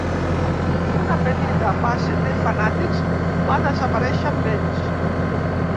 Una petita base de fanàtics va desaparèixer amb ells.